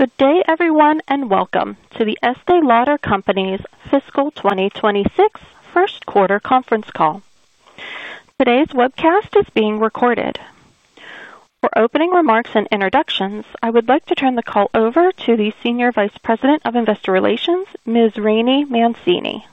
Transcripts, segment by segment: Good day everyone and welcome to The Estée Lauder Companies' fiscal 2026 first quarter conference call. Today's webcast is being recorded. For opening remarks and introductions, I would like to turn the call over to the Senior Vice President of Investor Relations, Ms. Rainey Mancini.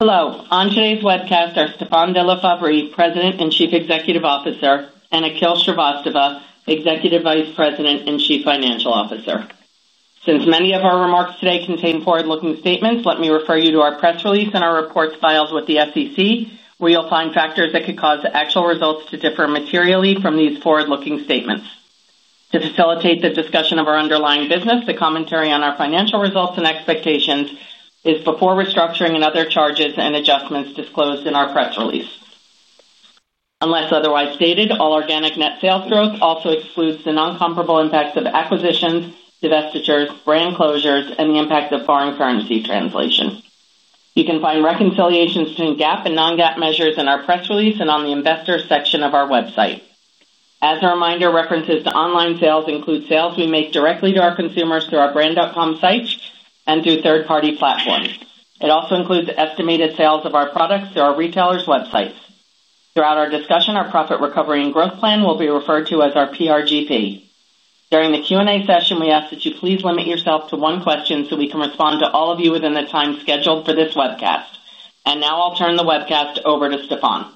Hello, on today's webcast are Stéphane de La Faverie, President and Chief Executive Officer, and Akhil Shrivastava, Executive Vice President and Chief Financial Officer. Since many of our remarks today contain forward-looking statements, let me refer you to our press release and our reports filed with the SEC where you'll find factors that could cause actual results to differ materially from these forward-looking statements. To facilitate the discussion of our underlying business, the commentary on our financial results and expectations is before restructuring and other charges and adjustments disclosed in our press release. Unless otherwise stated, all organic net sales growth also excludes the noncomparable impacts of acquisitions, divestitures, brand closures, and the impact of foreign currency translation. You can find reconciliations between GAAP and Non-GAAP measures in our press release and on the Investors section of our website. As a reminder, references to online sales include sales we make directly to our consumers through our brand.com sites and through third-party platforms. It also includes estimated sales of our products through our retailers' websites. Throughout our discussion, our Profit Recovery and Growth Plan will be referred to as our PRGP. During the Q&A session, we ask that you please limit yourself to one question so we can respond to all of you within the time scheduled for this webcast. Now I'll turn the webcast over to Stéphane.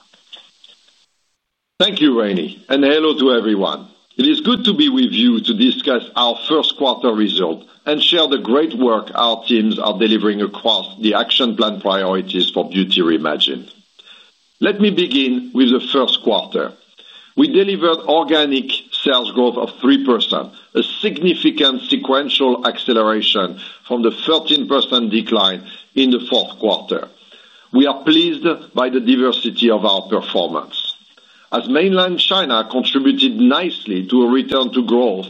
Thank you, Rainey, and hello to everyone. It is good to be with you to discuss our first quarter result and share the great work our teams are delivering across the action plan priorities for Beauty Reimagined. Let me begin with the first quarter. We delivered organic sales growth of 3%, a significant sequential acceleration from the 13% decline in the fourth quarter. We are pleased by the diversity of our performance as mainland China contributed nicely to a return to growth.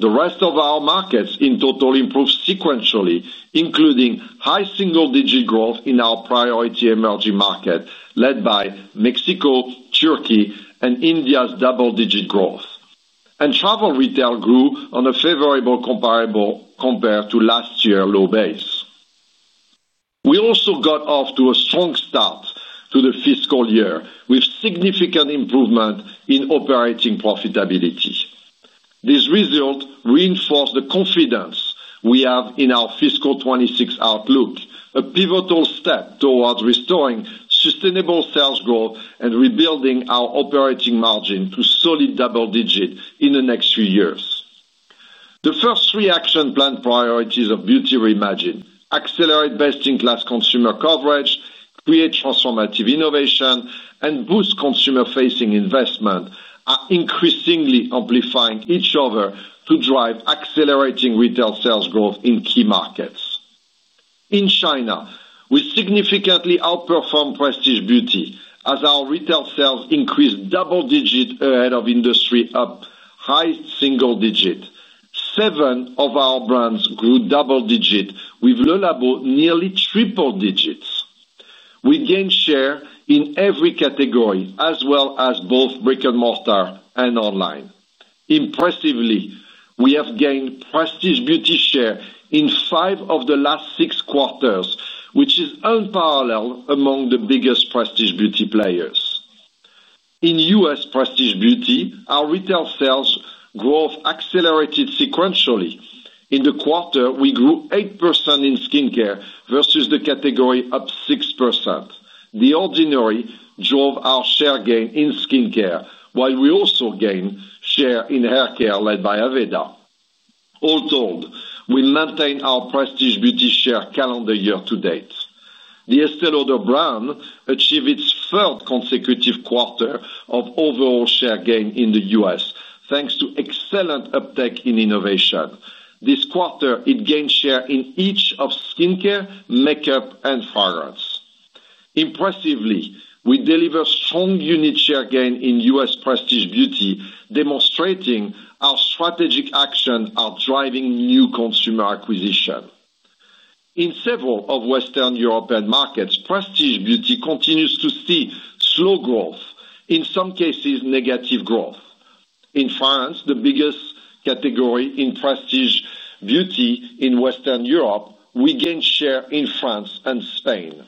The rest of our markets in total improved sequentially, including high single-digit growth in our priority emerging market led by Mexico, Turkey, and India's double-digit growth, and travel retail grew on a favorable comparable compared to last year's low base. We also got off to a strong start to the fiscal year with significant improvement in operating profitability. This result reinforced the confidence we have in our fiscal 2024 outlook, a pivotal step towards restoring sustainable sales growth and rebuilding our operating margin to solid double-digit in the next few years. The first three action plan priorities of Beauty Reimagined—accelerate best-in-class consumer coverage, create transformative innovation, and boost consumer-facing investment—are increasingly amplifying each other to drive accelerating retail sales growth in key markets. In China, we significantly outperformed prestige beauty as our retail sales increased double-digit ahead of industry up high single-digit. Seven of our brands grew double-digit, with Le Labo nearly triple digits. We gained share in every category as well as both brick-and-mortar and online. Impressively, we have gained prestige beauty share in five of the last six quarters, which is unparalleled among the biggest prestige beauty players in U.S. prestige beauty. Our retail sales growth accelerated sequentially in the quarter; we grew 8% in skincare versus the category up 6%. The Ordinary drove our share gain in skincare while we also gained share in hair care led by Aveda. All told, we maintain our prestige beauty share calendar year to date. The Estée Lauder brand achieved its third consecutive quarter of overall share gain in the U.S. thanks to excellent uptake in innovation. This quarter, it gained share in each of skincare, makeup, and fragrance. Impressively, we deliver strong unit share gain in U.S. prestige beauty, demonstrating our strategic action are driving new consumer acquisition in several of western European markets. Prestige beauty continues to see slow growth, in some cases negative growth. In France, the biggest category in prestige beauty in Western Europe, we gained share in France and Spain.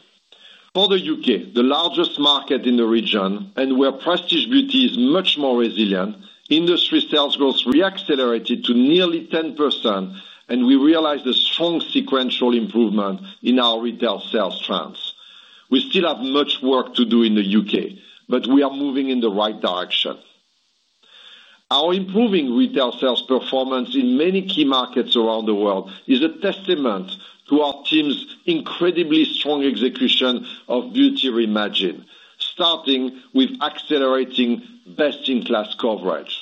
For the U.K., the largest market in the region and where prestige beauty is much more resilient, industry sales growth reaccelerated to nearly 10% and we realized a strong sequential improvement in our retail sales trends. We still have much work to do in the U.K., but we are moving in the right direction. Our improving retail sales performance in many key markets around the world is a testament to our team's incredibly strong execution of Beauty Reimagined. Starting with accelerating best-in-class coverage,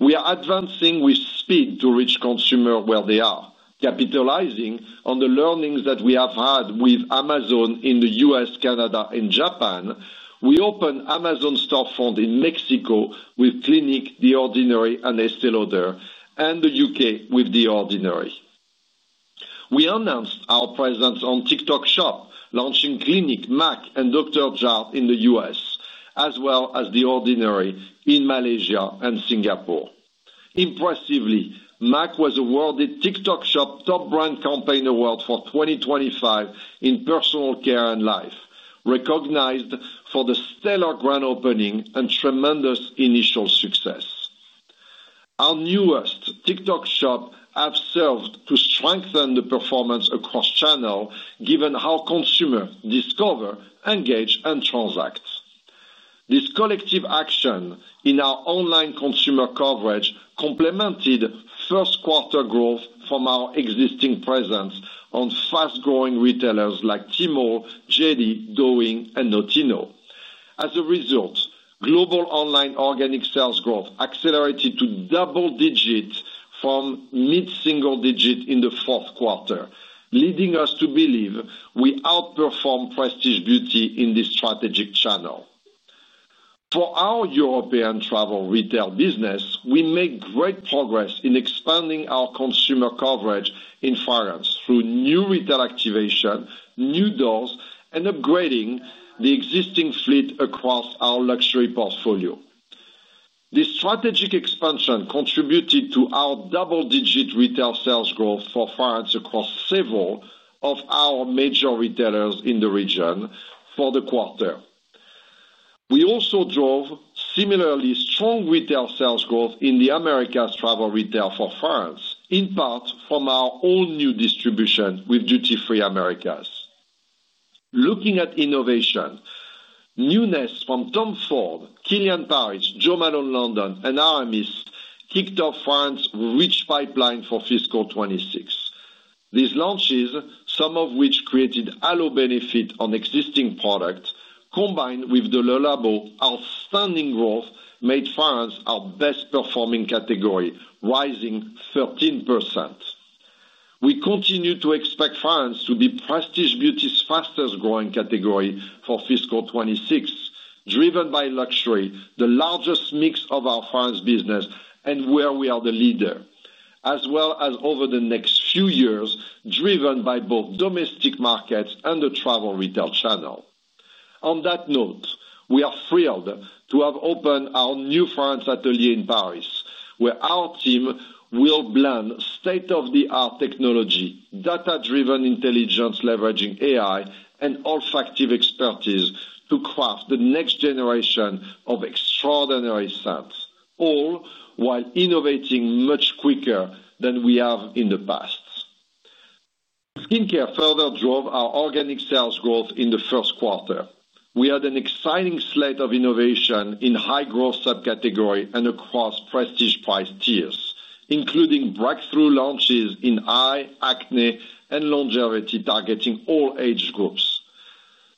we are advancing with speed to reach consumers where they are, capitalizing on the learnings that we have had with Amazon in the U.S., Canada, and Japan. We opened Amazon Storefront in Mexico with Clinique, The Ordinary, and Estée Lauder, and the U.K. with The Ordinary. We announced our presence on TikTok Shop, launching Clinique, M.A.C, and Dr. Jart in the U.S. as well as The Ordinary in Malaysia and Singapore. Impressively, M.A.C was awarded TikTok Shop Top Brand Campaign Award for 2025 in Personal Care and Life, recognized for the stellar grand opening and tremendous initial success. Our newest TikTok Shop have served to strengthen the performance across channel. Given how consumers discover, engage, and transact, this collective action in our online consumer coverage complemented first quarter growth from our existing presence on fast-growing retailers like Tmall, JD, Douyin, and Notino. As a result, global online organic sales growth accelerated to double digit from mid-single digit in the fourth quarter, leading us to believe we outperformed prestige beauty in this strategic channel. For our European travel retail business, we made great progress in expanding our consumer coverage in France through new retail activation, new doors, and upgrading the existing fleet across our luxury portfolio. This strategic expansion contributed to our double-digit retail sales growth for France across several of our major retailers in the region. For the quarter, we also drove similarly strong retail sales growth in the Americas travel retail for France, in part from our all-new distribution with Duty Free Americas. Looking at innovation, newness from Tom Ford, Kilian Paris, Jo Malone London, and Aramis kicked off France's rich pipeline for fiscal 2026. These launches, some of which created halo benefit on existing products combined with the Le Labo outstanding growth, made fragrance our best performing category, rising 13%. We continue to expect fragrance to be prestige beauty's fastest growing category for fiscal 2026, driven by luxury, the largest mix of our fragrance business and where we are the leader, as well as over the next few years driven by both domestic markets and the travel retail channel. On that note, we are thrilled to have opened our new fragrance atelier in Paris, where our team will blend state-of-the-art technology, data-driven intelligence, leveraging AI and olfactive expertise to craft the next generation of extraordinary scents, all while innovating much quicker than we have in the past. Skincare further drove our organic sales growth in the first quarter. We had an exciting slate of innovation in high-growth subcategories and across prestige price tiers, including breakthrough launches in eye, acne, and longevity targeting all age groups.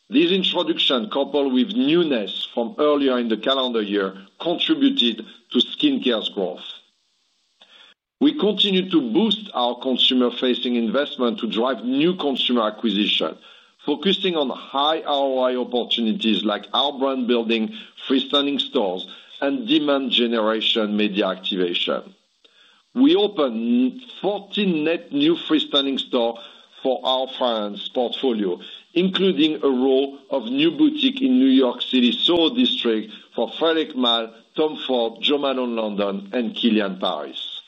This introduction, coupled with newness from earlier in the calendar year, contributed to skincare's growth. We continue to boost our consumer-facing investment to drive new consumer acquisition, focusing on high ROI opportunities like our brand-building freestanding stores and demand generation media activation. We opened 14 net new freestanding stores for our brands portfolio, including a row of new boutiques in New York City, Seoul district for Frédéric Malle, Tom Ford, Jo Malone London, and Kilian Paris.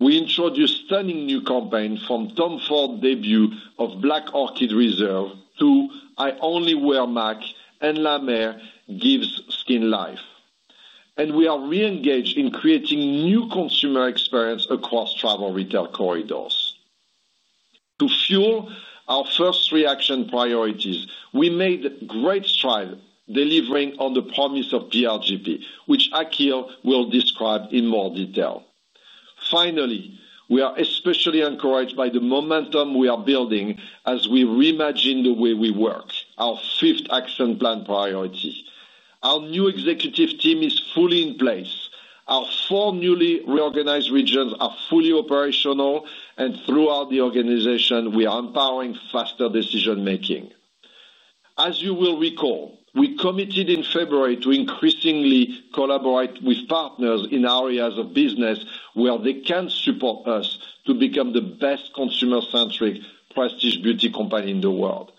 We introduced stunning new campaigns from Tom Ford, debut of Black Orchid Reserve, to I Only Wear M.A.C and La Mer Gives Skin Life, and we are re-engaged in creating new consumer experiences across travel retail corridors to fuel our first action priorities. We made great strides delivering on the promise of PRGP, which Akhil will describe in more detail. Finally, we are especially encouraged by the momentum we are building as we reimagine the way we work, our fifth Accent Plan priority. Our new executive team is fully in place, our four newly reorganized regions are fully operational, and throughout the organization we are empowering faster decision making. As you will recall, we committed in February to increasingly collaborate with partners in areas of business where they can support us to become the best consumer-centric prestige beauty company in the world.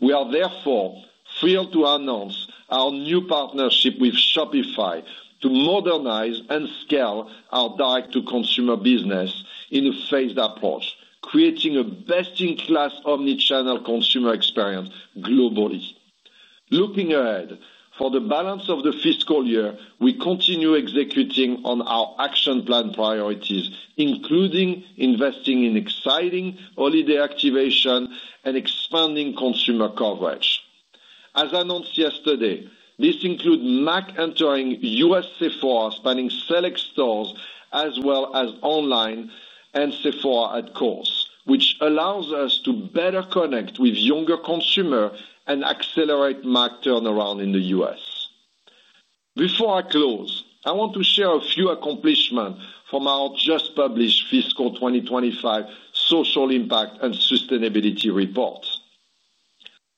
We are therefore thrilled to announce our new partnership with Shopify to modernize and scale our direct-to-consumer business in a phased approach, creating a best-in-class omnichannel consumer experience globally. Looking ahead for the balance of the fiscal year, we continue executing on our action plan priorities, including investing in exciting holiday activation and expanding consumer coverage. As announced yesterday, this includes M.A.C entering U.S. Sephora, spanning select stores as well as online and Sephora at Kohl's, which allows us to better connect with younger consumers and accelerate M.A.C turnaround in the U.S. Before I close, I want to share a few accomplishments from our just published Fiscal 2025 Social Impact and Sustainability Report.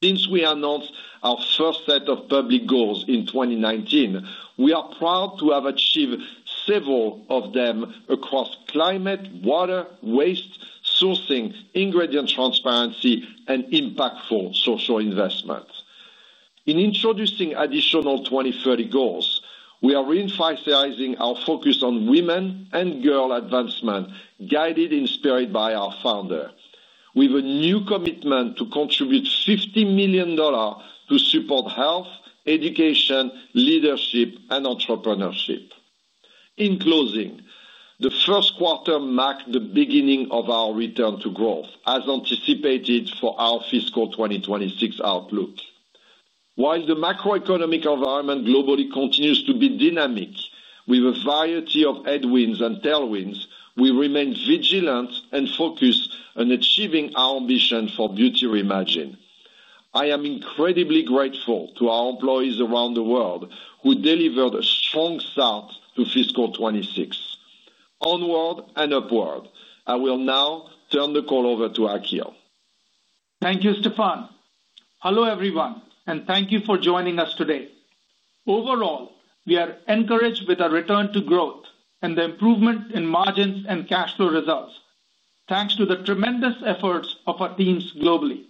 Since we announced our first set of public goals in 2019, we are proud to have achieved several of them across climate, water, waste, sourcing, ingredient transparency, and impactful social investment. In introducing additional 2030 goals, we are reemphasizing our focus on women and girl advancement, guided in spirit by our founder, with a new commitment to contribute $50 million to support health, education, leadership, and entrepreneurship. In closing, the first quarter marked the beginning of our return to growth as anticipated for our fiscal 2026 outlook. While the macroeconomic environment globally continues to be dynamic with a variety of headwinds and tailwinds, we remain vigilant and focused on achieving our ambition for Beauty Reimagined. I am incredibly grateful to our employees around the world who delivered a strong start to fiscal 2026. Onward and upward. I will now turn the call over to Akhil. Thank you, Stéphane. Hello everyone, and thank you for joining us today. Overall, we are encouraged with our return to growth and the improvement in margins and cash flow results. Thanks to the tremendous efforts of our teams globally,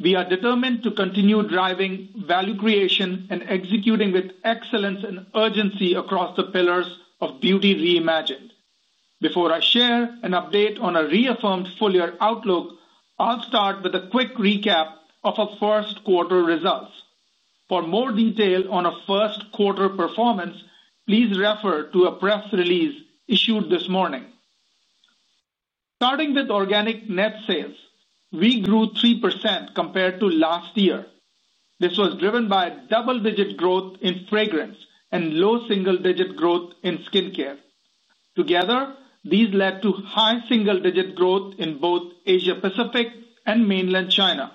we are determined to continue driving value creation and executing with excellence and urgency across the pillars of Beauty Reimagined. Before I share an update on our reaffirmed full year outlook, I'll start with a quick recap of our first quarter results. For more detail on our first quarter performance, please refer to a press release issued this morning. Starting with organic net sales, we grew 3% compared to last year. This was driven by double-digit growth in fragrance and low single-digit growth in skin care. Together, these led to high single-digit growth in both Asia Pacific and mainland China.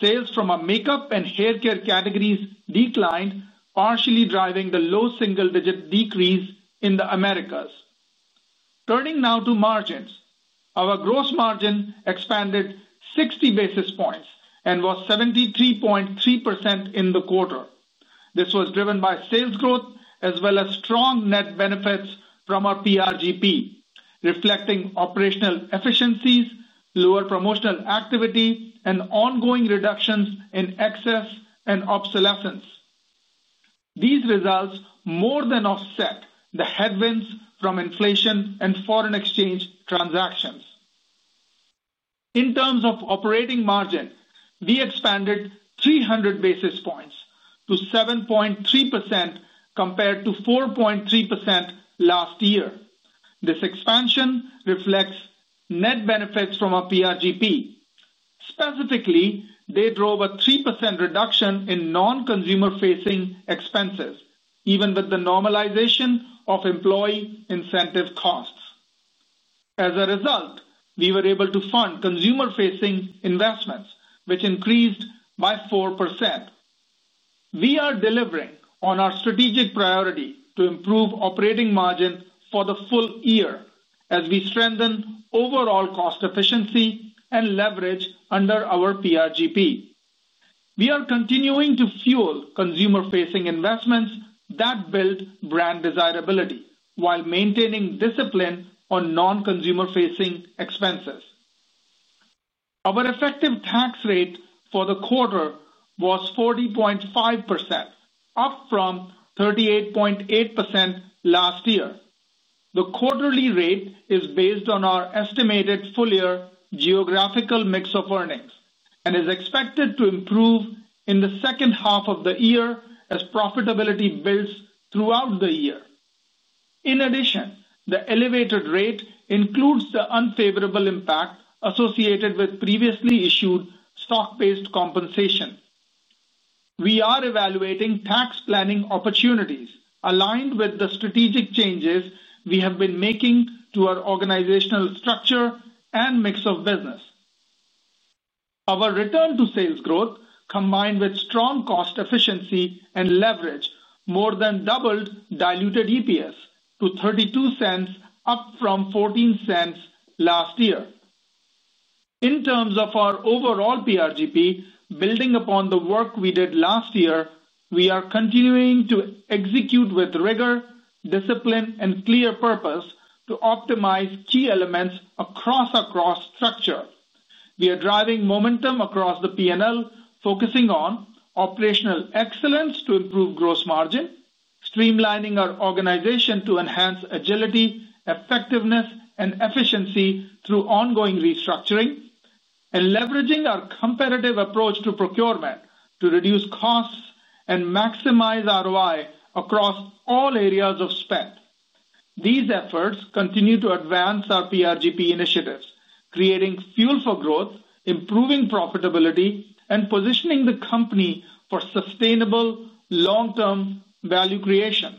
Sales from our makeup and hair care categories declined, partially driving the low single-digit decrease in the Americas. Turning now to margins, our gross margin expanded 60 basis points and was 73.3% in the quarter. This was driven by sales growth as well as strong net benefits from our PRGP, reflecting operational efficiencies, lower promotional activity, and ongoing reductions in excess and obsolescence. These results more than offset the headwinds from inflation and foreign exchange transactions. In terms of operating margin, we expanded 300 basis points to 7.3% compared to 4.3% last year. This expansion reflects net benefits from our PRGP. Specifically, they drove a 3% reduction in non-consumer facing expenses even with the normalization of employee incentive costs. As a result, we were able to fund consumer-facing investments, which increased by 4%. We are delivering on our strategic priority to improve operating margin for the full year as we strengthen overall cost efficiency and leverage under our PRGP. We are continuing to fuel consumer-facing investments that build brand desirability while maintaining discipline on non-consumer facing expenses. Our effective tax rate for the quarter was 40.5%, up from 38.8% last year. The quarterly rate is based on our estimated full year geographical mix of earnings and is expected to improve in the second half of the year as profitability builds throughout the year. In addition, the elevated rate includes the unfavorable impact associated with previously issued stock-based compensation. We are evaluating tax planning opportunities aligned with the strategic changes we have been making to our organizational structure and mix of business. Our return to sales growth combined with strong cost efficiency and leverage more than doubled diluted EPS to $0.32, up from $0.14 last year. In terms of our overall PRGP, building upon the work we did last year, we are continuing to execute with rigor, discipline, and clear purpose to optimize key elements across our cost structure. We are driving momentum across the P&L, focusing on operational excellence to improve gross margin, streamlining our organization to enhance agility, effectiveness, and efficiency through ongoing restructuring, and leveraging our competitive approach to procurement to reduce costs and maximize ROI across all areas of spend. These efforts continue to advance our PRGP initiatives, creating fuel for growth, improving profitability, and positioning the company for sustainable long-term value creation.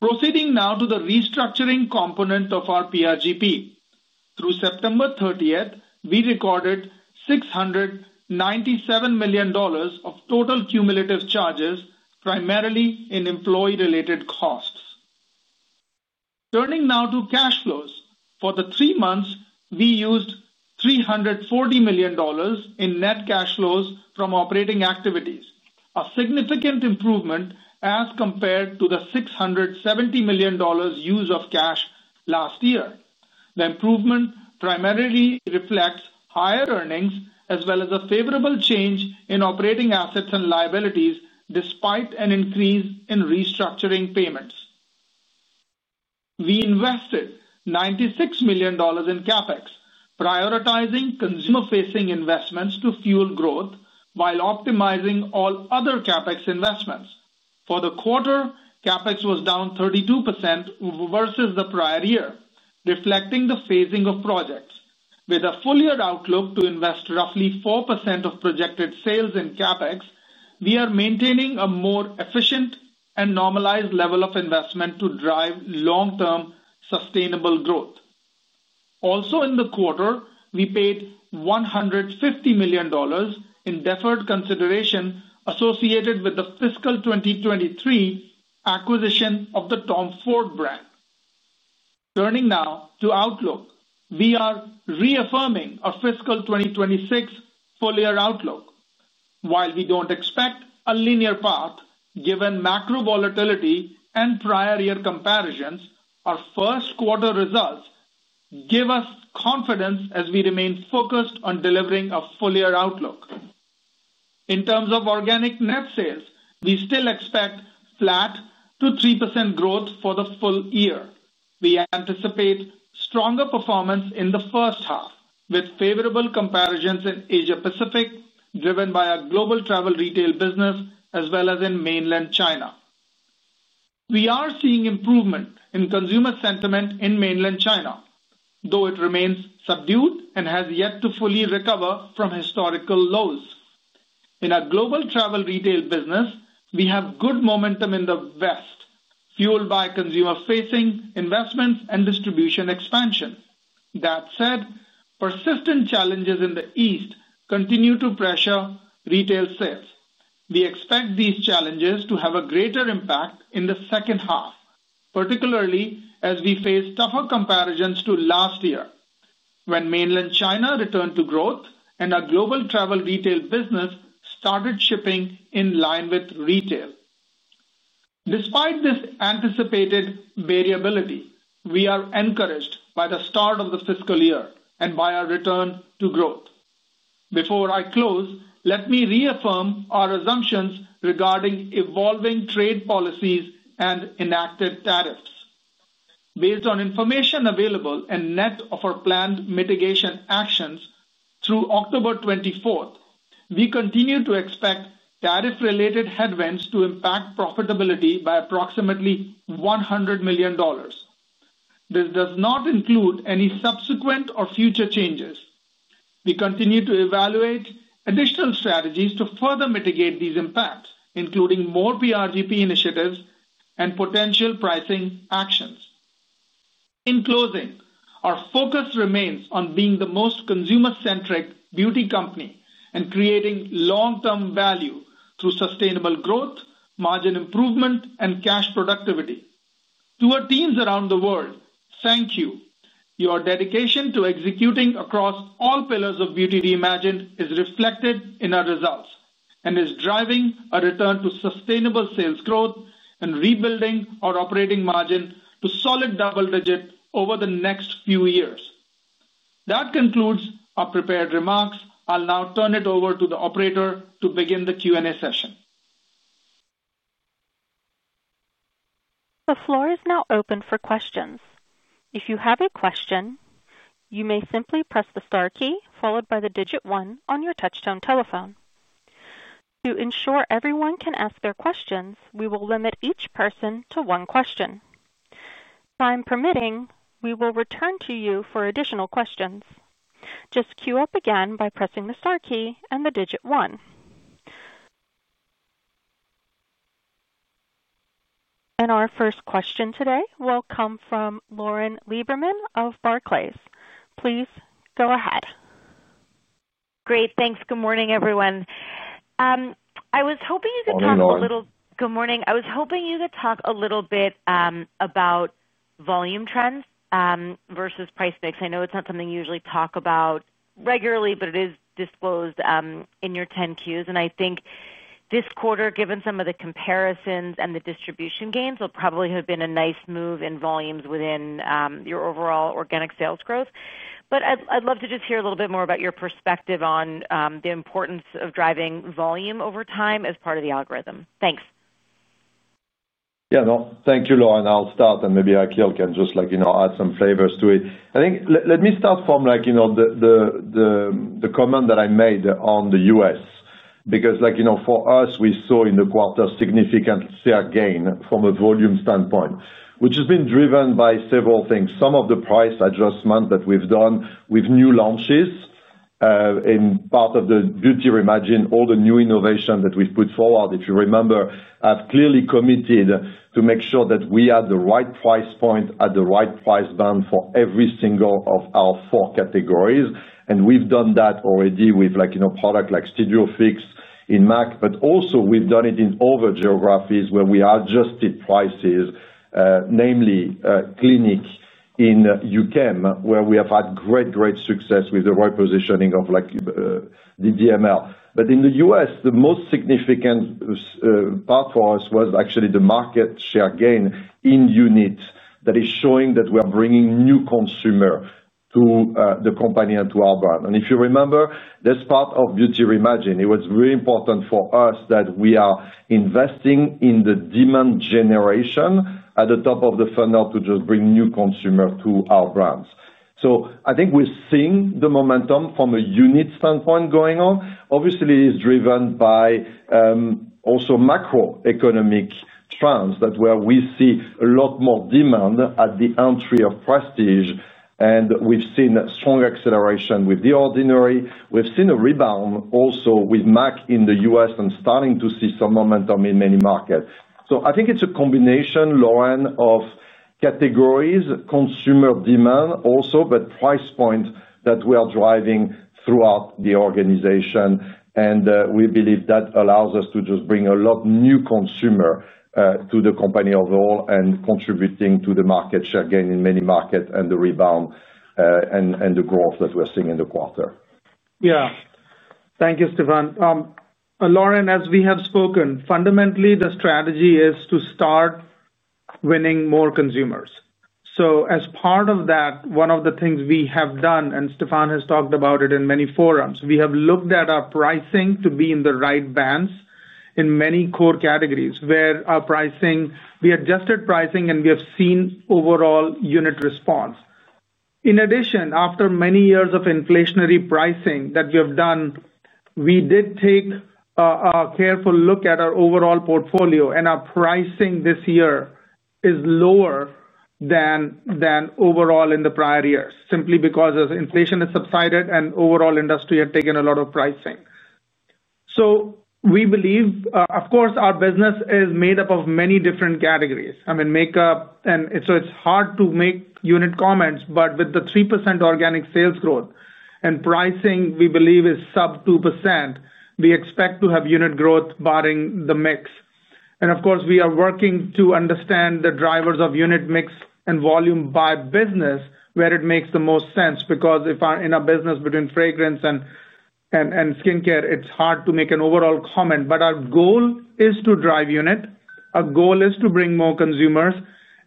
Proceeding now to the restructuring component of our PRGP. Through September 30, we recorded $697 million of total cumulative charges, primarily in employee-related costs. Turning now to cash flows, for the three months we used $340 million in net cash flows from operating activities, a significant improvement as compared to the $670 million use of cash last year. The improvement primarily reflects higher earnings as well as a favorable change in operating assets and liabilities despite an increase in restructuring payments. We invested $96 million in CapEx, prioritizing consumer-facing investments to fuel growth while optimizing all other CapEx investments. For the quarter, CapEx was down 32% versus the prior year, reflecting the phasing of projects. With a full-year outlook to invest roughly 4% of projected sales in CapEx, we are maintaining a more efficient and normalized level of investment to drive long-term sustainable growth. Also in the quarter, we paid $150 million in deferred consideration associated with the fiscal 2023 acquisition of the Tom Ford brand. Turning now to outlook, we are reaffirming our fiscal 2026 full-year outlook. While we don't expect a linear path given macro volatility and prior year comparisons, our first quarter results give us confidence as we remain focused on delivering a full-year outlook. In terms of organic net sales, we still expect flat to 3% growth for the full year. We anticipate stronger performance in the first half with favorable comparisons in Asia Pacific driven by our global travel retail business as well as in mainland China. We are seeing improvement in consumer sentiment in mainland China, though it remains subdued and has yet to fully recover from historical lows in our global travel retail business. We have good momentum in the West fueled by consumer-facing investments and distribution expansion. That said, persistent challenges in the East continue to pressure retail sales. We expect these challenges to have a greater impact in the second half, particularly as we face tougher comparisons to last year when mainland China returned to growth and our global travel retail business started shipping in line with retail. Despite this anticipated variability, we are encouraged by the start of the fiscal year and by our return to growth. Before I close, let me reaffirm our assumptions regarding evolving trade policies and enacted tariffs based on information available and net of our planned mitigation actions. Through October 24, we continue to expect tariff-related headwinds to impact profitability by approximately $100 million. This does not include any subsequent or future changes. We continue to evaluate additional strategies to further mitigate these impacts, including more PRGP initiatives and potential pricing actions. In closing, our focus remains on being the most consumer-centric beauty company and creating long-term value through sustainable growth, margin improvement, and cash productivity. To our teams around the world, thank you. Your dedication to executing across all pillars of Beauty Reimagined is reflected in our results and is driving a return to sustainable sales growth and rebuilding our operating margin to solid double digit over the next few years. That concludes our prepared remarks. I'll now turn it over to the operator to begin the Q&A session. The floor is now open for questions. If you have a question, you may simply press the star key followed by the digit one on your touchtone telephone. To ensure everyone can ask their questions, we will limit each person to one question, time permitting. We will return to you for additional questions. Just queue up again by pressing the star key and the digit one. Our first question today will come from Lauren Rae Lieberman of Barclays. Please go ahead. Great, thanks. Good morning everyone. I was hoping you could talk a little bit about volume trends versus price mix. I know it's not something you usually talk about regularly, but it is disclosed in your 10-Qs and I think this quarter, given some of the comparisons and the distribution gains, will probably have been a nice move in volumes within your overall organic sales growth. I'd love to just hear a. Little bit more about your perspective on the importance of driving volume over time as part of the algorithm. Thanks. Yeah, thank you, Lauren. I'll start, and maybe Akhil can just add some flavors to it, I think. Let me start from the comment that I made on the U.S. because, like, you know, for us, we saw in the quarter significant share gain from a volume standpoint, which has been driven by several things. Some of the price adjustments that we've done with new launches in part of the beauty. Imagine all the new innovation that we've put forward. If you remember, I've clearly committed to make sure that we had the right price point at the right price bound for every single of our four categories. We've done that already with, like, you know, products like Still Fix in M.A.C, but also we've done it in other geographies where we adjusted prices, namely Clinique in the U.K., where we have had great, great success with the repositioning of the DML. In the U.S., the most significant part for us was actually the market share gain in unit that is showing that we are bringing new consumer to the company and to our brand. If you remember, this part of Beauty Reimagined, it was very important for that. We are investing in the demand generation at the top of the funnel to just bring new consumer to our brands. I think we're seeing the momentum from a unit standpoint going on. Obviously, it is driven by also macroeconomic trends where we see a lot more demand at the entry of prestige, and we've seen strong acceleration with The Ordinary. We've seen a rebound also with M.A.C in the U.S. and starting to see some momentum in many markets. I think it's a combination, Lauren, of categories, consumer demand also, but price point that we are driving throughout the organization, and we believe that allows us to just bring a lot new consumer to the company overall and contributing to the market share gain in many markets and the rebound and the growth that we're seeing in the quarter. Yes. Thank you, Stéphane. Lauren, as we have spoken, fundamentally the strategy is to start winning more consumers. As part of that, one of the things we have done, and Stéphane has talked about it in many forums, we have looked at our pricing to be in the right bands in many core categories where we adjusted pricing and we have seen overall unit response. In addition, after many years of inflationary pricing that we have done, we did take a careful look at our overall portfolio and our pricing this year is lower than overall in the prior year simply because as inflation has subsided and the overall industry had taken a lot of pricing. We believe, of course, our business is made up of many different categories, I mean makeup, and so it's hard to make unit comments. With the 3% organic sales growth and pricing we believe is sub 2%, we expect to have unit growth barring the mix. We are working to understand the drivers of unit mix and volume by business where it makes the most sense. If in a business between fragrance and skin care, it's hard to make an overall comment. Our goal is to drive unit. A goal is to bring more consumers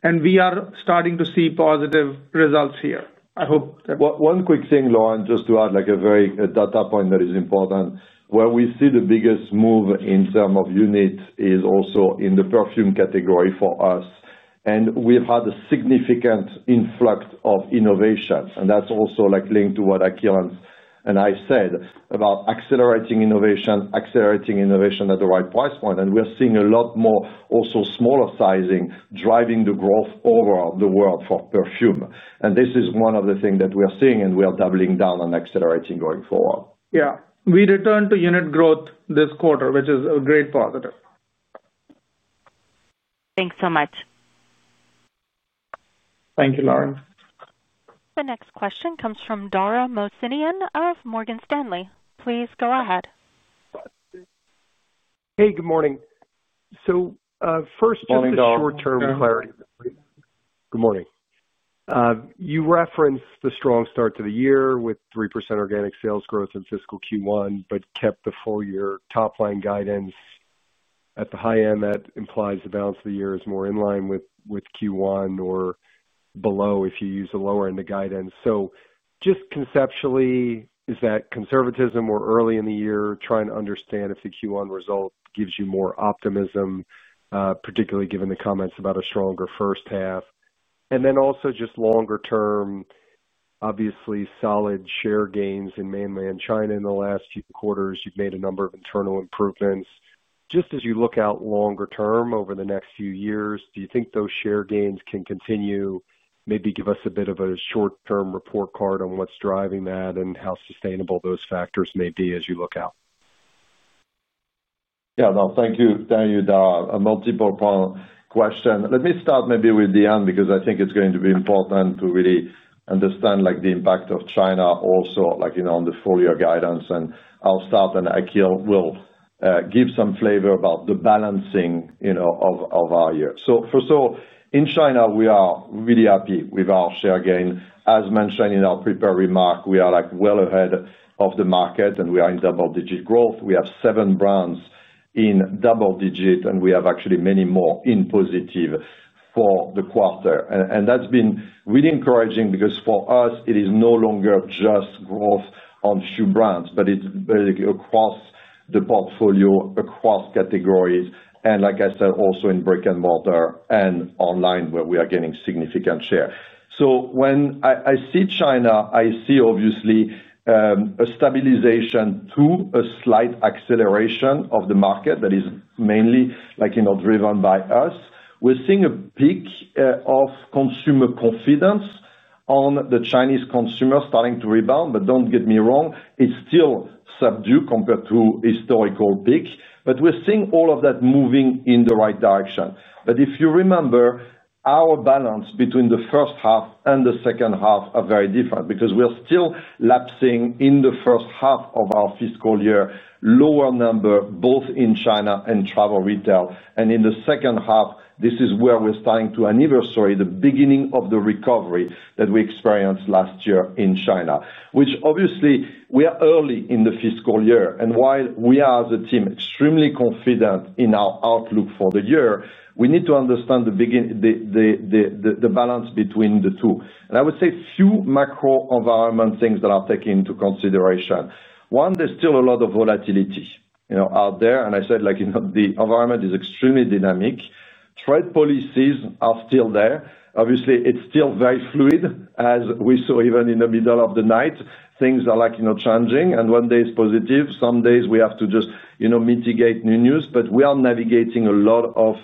and we are starting to see positive results here. I hope. One quick thing, Lauren, just to add a very data point that is important. Where we see the biggest move in some of unit is also in the perfume category for us. We've had a significant influx of innovation, and that's also linked to what Akhil and I said about accelerating innovation, accelerating innovation at the right price point. We are seeing a lot more also smaller sizing driving the growth over the world for perfume. This is one of the things that we are seeing, and we are doubling down on accelerating going forward. Yes, we returned to unit growth this quarter, which is a great positive. Thanks so much. Thank you, Lauren. The next question comes from Dara Warren Mohsenian of Morgan Stanley. Please go ahead. Hey, good morning. First, just short term clarity. Good morning. You referenced the strong start to the year with 3% organic sales growth in fiscal Q1 but kept the full year top line guidance at the high end. That implies the balance of the year is more in line with Q1 or below if you use the lower end of guidance. Just conceptually, is that conservatism? We're early in the year trying to understand if the Q1 result gives you more optimism, particularly given the comments about a stronger first half. Also, just longer term, obviously solid share gains in mainland China in the last few quarters, you've made a number of internal improvements. As you look out longer term over the next few years, do you think those share gains can continue? Maybe give us a bit of a short term report card on what's driving that and how sustainable those factors may be. Be as you look out. Yeah. Thank you, Daniel. There are multiple questions. Let me start maybe with the end because I think it's going to be important to really understand the impact of China also on the full year guidance, and I'll start and Akhil will give some flavor about the balancing of our year. First of all, in China we are really happy with our share gain. As mentioned in our prepared remark, we are well ahead of the market and we are in double-digit growth. We have seven brands in double-digit and we have actually many more in positive for the quarter, and that's been really encouraging because for us it is no longer just growth on a few brands but it's across the portfolio, across categories, and like I said also in brick and mortar and online where we are getting significant share. When I see China, I see obviously a stabilization to a slight acceleration of the market that is mainly, like, you know, driven by us. We're seeing a peak of consumer confidence on the Chinese consumer starting to rebound. Don't get me wrong, it's still subdued compared to historical peak, but we're seeing all of that moving in the right direction. If you remember, our balance between the first half and the second half are very different because we are still lapsing in the first half of our fiscal year lower number both in China and travel retail, and in the second half, this is where we're starting to anniversary the beginning of the recovery that we experienced last year in China, which obviously we are early in the fiscal year. While we are as a team extremely confident in our outlook for the year, we need to understand at the beginning the balance between the two, and I would say a few macro environment things that are taken into consideration. One, there's still a lot of volatility out there. The environment is extremely dynamic. Trade policies are still there. Obviously it's still very fluid, as we saw. Even in the middle of the night, things are, like, you know, changing and one day is positive. Some days we have to just, you know, mitigate new news. We are navigating a lot of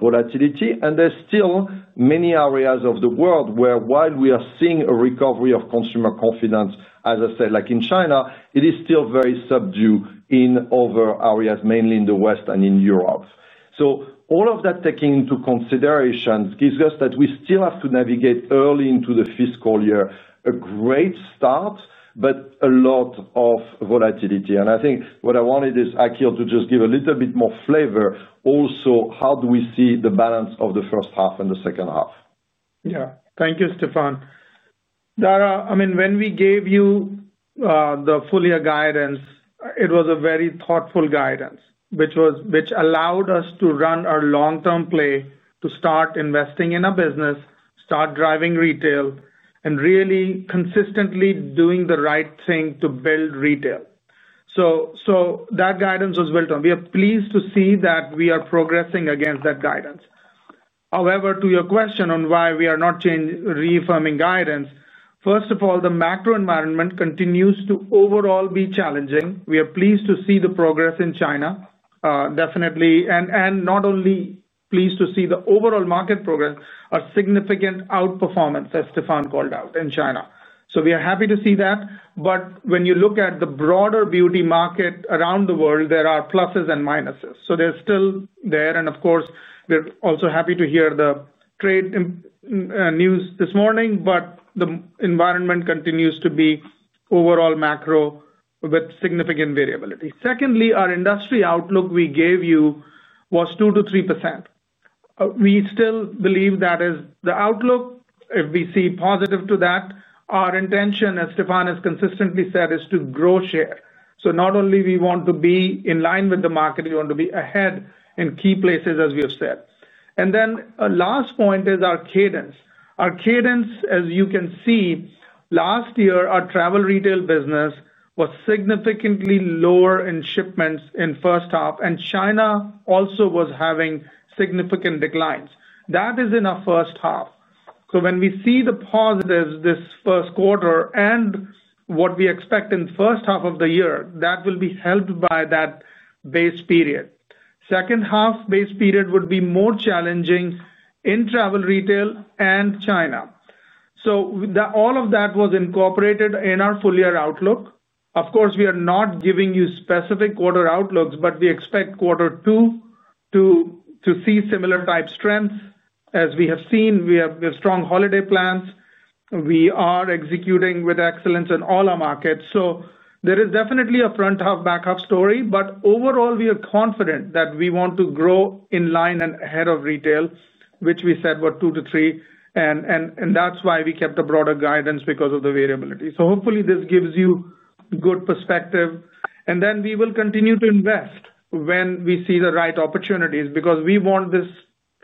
volatility and there's still many areas of the world where while we are seeing a recovery of consumer confidence, as I said, like in China, it is still very subdued in other areas, mainly in the West and in Europe. All of that taken into consideration gives us that we still have to navigate early into the fiscal year. A great start, but a lot of volatility. I think what I wanted is Akhil to just give a little bit more flavor also. How do we see the balance of the first half and the second half? Yeah. Thank you, Stéphane. Dara. I mean when we gave you the full year guidance, it was a very thoughtful guidance which allowed us to run our long term play, to start investing in a business, start driving retail and really consistently doing the right thing to build retail. That guidance was built on. We are pleased to see that we are progressing against that guidance. However, to your question on why we are not reaffirming guidance, first of all, the macro environment continues to overall be challenging. We are pleased to see the progress in China, definitely. Not only pleased to see the overall market progress, a significant outperformance as Stéphane called out in China. We are happy to see that. When you look at the broader beauty market around the world, there are pluses and minuses. They are still there. Of course, we are also happy to hear the trade news this morning. The environment continues to be overall macro with significant variability. Secondly, our industry outlook we gave you was 2%-3%. We still believe that is the outlook. If we see positive to that, our intention, as Stéphane has consistently said, is to grow shares. Not only do we want to be in line with the market, we want to be ahead in key places, as we have said. Last point is our cadence, our cadence. As you can see, last year our travel retail business was significantly lower in shipments in first half. China also was having significant declines, that is in our first half. When we see the positives this first quarter and what we expect in first half of the year, that will be helped by that base period. Second half base period would be more challenging in travel retail and China. All of that was incorporated in our full year outlook. Of course, we are not giving you specific quarter outlooks, but we expect quarter two to see similar type strengths. As we have seen, we have strong holiday plans, we are executing with excellence in all our markets. There is definitely a front half, back half story. Overall, we are confident that we want to grow in line and ahead of retail, which we said were 2%-3% and that's why we kept a broader guidance because of the variability. Hopefully this gives you good perspective and then we will continue to invest when we see the right opportunities because we want this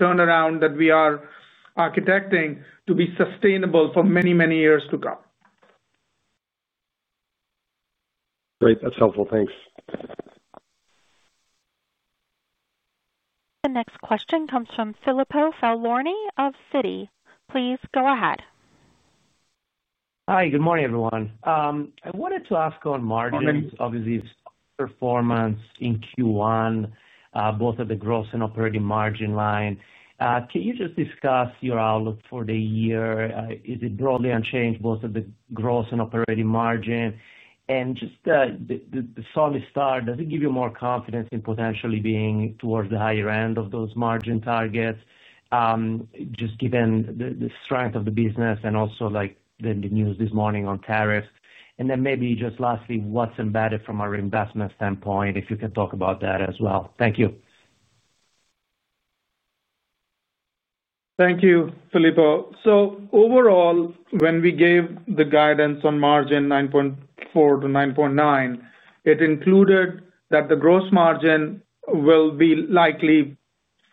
turnaround that we are architecting to be sustainable for many, many years to come. Great, that's helpful. Thanks. The next question comes from Filippo Falorni of Citi. Please go ahead. Hi, good morning everyone. I wanted to ask on margin, obviously performance in Q1 both at the gross and operating margin line, can you just discuss your outlook for the year? Is it broadly unchanged both at the gross and operating margin and does the solid start give you more confidence in potentially being towards the higher end of those margin targets just given the strength of the business? I also like the news this morning on tariffs and then maybe just lastly, what's embedded from our investment standpoint, if you can talk about that as well. Thank you. Thank you, Filippo. Overall, when we gave the guidance on margin 9.4%-9.9%, it included that the gross margin will be likely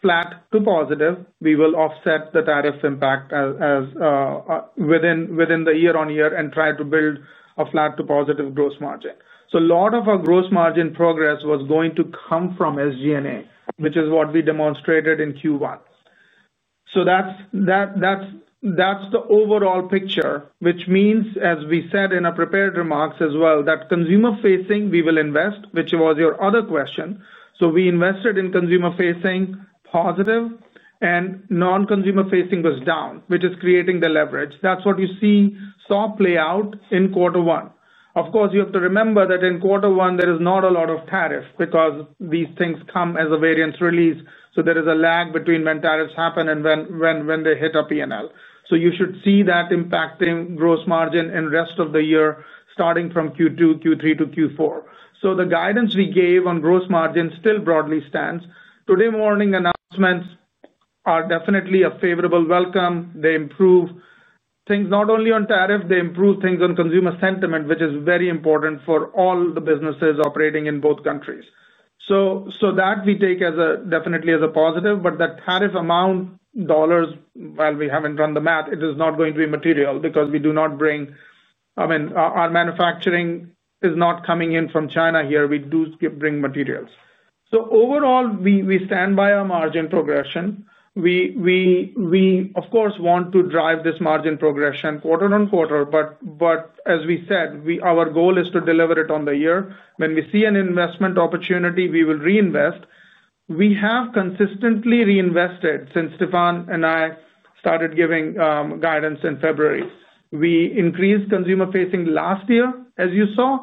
flat to positive. We will offset the tariff impact within the year-on-year and try to build a flat to positive gross margin. A lot of our gross margin progress was going to come from SG&A, which is what we demonstrated in Q1. That's the overall picture, which means as we said in our prepared remarks as well, that consumer facing we will invest, which was your other question. We invested in consumer facing positive and non-consumer facing was down, which is creating the leverage. That's what you saw play out in quarter one. Of course, you have to remember that in quarter one there is not a lot of tariff because these things come as a variance release. There is a lag between when tariffs happen and when they hit a P&L. You should see that impacting gross margin in the rest of the year, starting from Q2, Q3 to Q4. The guidance we gave on gross margin still broadly stands today. Morning announcements are definitely a favorable welcome. They improve things not only on tariff, they improve things on consumer sentiment, which is very important for all the businesses operating in both countries. We take that definitely as a positive, but the tariff amount dollars, while we haven't done the math, it is not going to be material because our manufacturing is not coming in from China. Here we do bring materials. Overall, we stand by our margin progression. We want to drive this margin progression quarter on quarter. As we said, our goal is to deliver it on the year. When we see an investment opportunity, we will reinvest. We have consistently reinvested since Stéphane and I started giving guidance in February. We increased consumer facing last year as you saw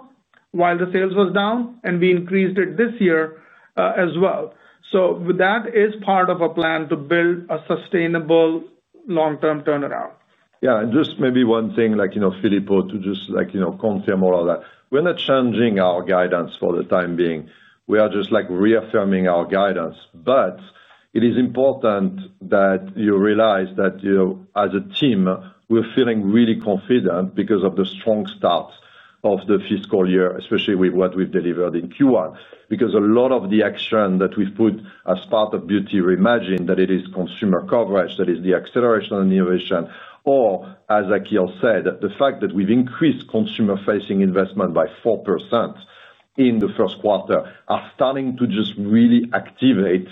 while the sales was down and we increased it this year as well. That is part of a plan to build a sustainable long-term turnaround. Yeah, just maybe one thing, like, you know, Filippo, to just, like, you know, confirm all of that. We're not changing our guidance for the time being. We are just, like, reaffirming our guidance. It is important that you realize that, you know, as a team, we're feeling really confident because of the strong start of the fiscal year, especially with what we've delivered in Q1, because a lot of the action that we've put as part of Beauty Reimagined, that it is consumer coverage, that is the acceleration, innovation, or as Akhil said, the fact that we've increased consumer-facing investment by 4% in the first quarter, are starting to just really activate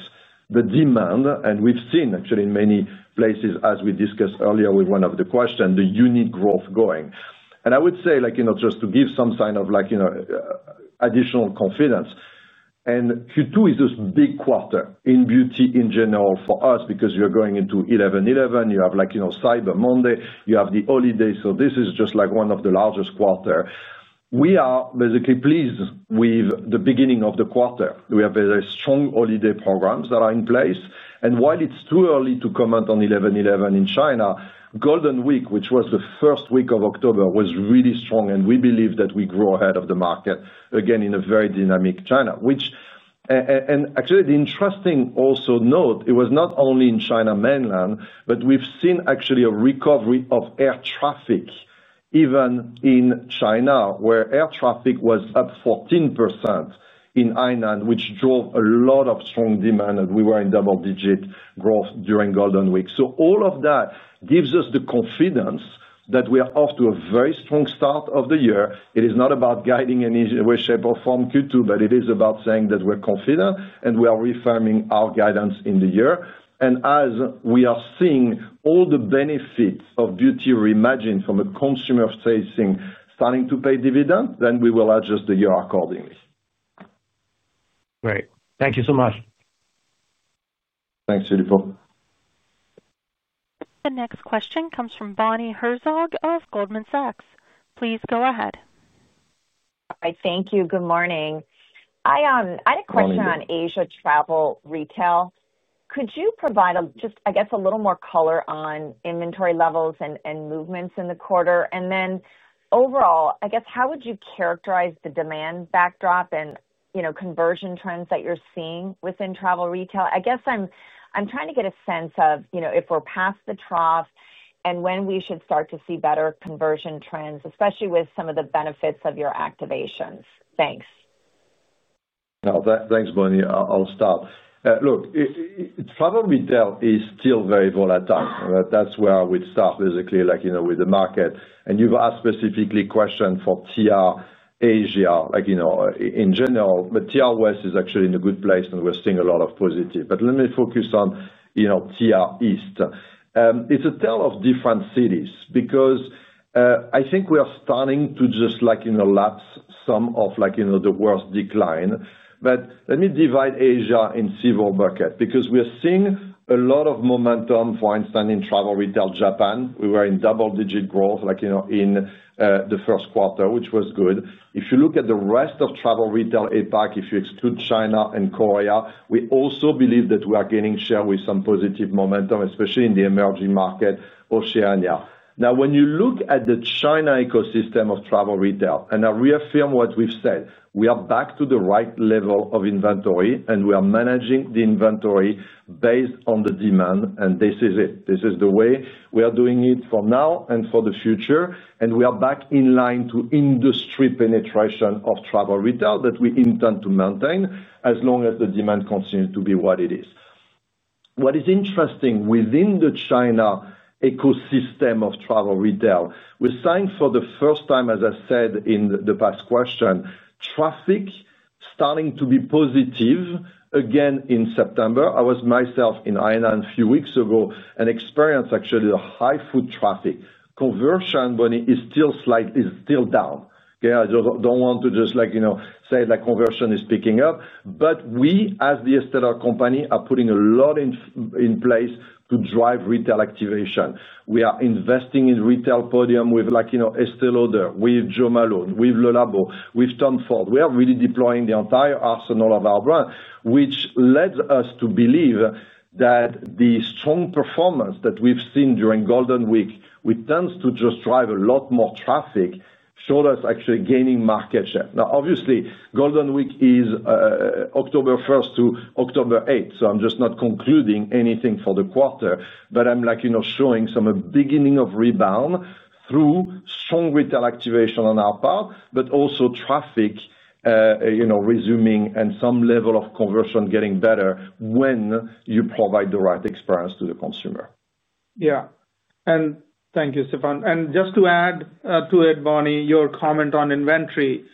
the demand. We've seen actually in many places, as we discussed earlier with one of the questions, the unique growth going, and I would say, like, you know, just to give some sign of, like, you know, additional confidence. Q2 is this big quarter in beauty in general for us because you're going into 11.11, you have, like, you know, Cyber Monday, you have the holiday. This is just, like, one of the largest quarters. We are basically pleased with the beginning of the quarter. We have very strong holiday programs that are in place. While it's too early to comment on 11.11, China Golden Week, which was the first week of October, was really strong, and we believe that we grow ahead of the market again in a very dynamic China. Actually, the interesting thing also to note, it was not only in China mainland, but we've seen actually a recovery of air traffic even in China, where air traffic was up 14% in iron, which drove a lot of strong demand, and we were in double digits growth during Golden Week. All of that gives us the confidence that we are off to a very strong start of the year. It is not about guiding any way, shape, or form Q2, but it is about saying that we're confident, and we are reaffirming our guidance in the year, and as we are seeing all the benefits of Beauty Reimagined from a consumer-facing starting to pay dividend, then we will adjust the year accordingly. Great, thank you so much. Thanks. Filippo. The next question comes from Bonnie Herzog of Goldman Sachs. Please go ahead. Thank you. Good morning. I had a question on Asia travel retail. Could you provide just, I guess, a little more color on inventory levels and movements in the quarter, and then overall, I guess, how would you characterize the demand backdrop and conversion trends that you're seeing within travel retail? I guess I'm trying to get a sense of if we're past the trough and when we should start to see better conversion trends, especially with some of the benefits of your activations. Thanks. Thanks, Bonnie. I'll stop. Look, travel retail is still very volatile. That's where we start basically with the market and you've asked specifically a question for travel retail Asia. In general, Asia is actually in a good place and we're seeing a lot of positive. Let me focus on travel retail East. It's a tale of different cities because I think we are starting to just lap some of the worst decline. Let me divide Asia in several buckets because we are seeing a lot of momentum. For instance, in travel retail Japan, we were in double-digit growth in the first quarter, which was good. If you look at the rest of travel retail APAC, if you exclude China and Korea, we also believe that we are gaining share with some positive momentum, especially in the emerging market Oceania. Now, when you look at the China ecosystem of travel retail, and I reaffirm what we've said, we are back to the right level of inventory and we are managing the inventory based on the demand. This is it, this is the way we are doing it for now and for the future. We are back in line to industry penetration of travel retail that we intend to maintain as long as the demand continues to be what it is. What is interesting within the China ecosystem of travel retail, we're seeing for the first time, as I said in the past question, traffic starting to be positive again. In September, I was myself in Hainan a few weeks ago and experienced actually a high foot traffic conversion. Bonnie, it's still slightly, still down. I don't want to say that conversion is picking up, but we as The Estée Lauder Companies are putting a lot in place to drive retail activation. We are investing in retail podiums with Estée Lauder, with Jo Malone London, with Le Labo, with Tom Ford. We are really deploying the entire arsenal of our brands, which led us to believe that the strong performance that we've seen during Golden Week, which tends to drive a lot more traffic, showed us actually gaining market share. Obviously, Golden Week is October 1 to October 8, so I'm not concluding anything for the quarter. I'm showing some of the beginning of rebound through strong retail activation on our part, but also traffic resuming and some level of conversion getting better when you provide the right experience to the consumer. Yeah. Thank you, Stéphane. Just to add to it, Bonnie, your comment on inventory.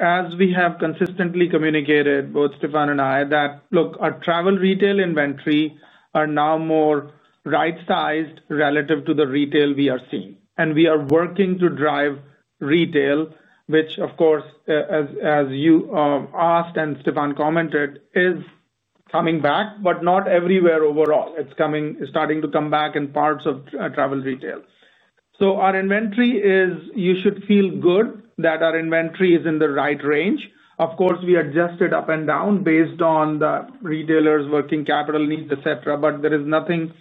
As we have consistently communicated, both Stéphane and I, our travel retail inventory is now more right sized relative to the retail we are seeing and we are working to drive retail, which, of course, as you asked and Stéphane commented, is coming back, but not everywhere. Overall, it's starting to come back in parts of travel retail. Our inventory is. You should feel good that our inventory is in the right range. Of course, we adjust it up and down based on the retailers' working capital needs, etc. There is nothing